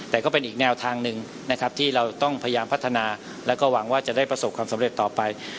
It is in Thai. แต่ก็เป็นอีกแนวทางหนึ่งนะครับที่เราต้องพยายามพัฒนาแล้วก็หวังว่าจะได้ประสบความสำเร็จต่อไป